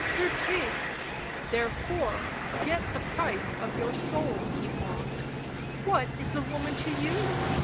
" Certes, therefore get the price of your soul," he mocked. " What is the woman to you?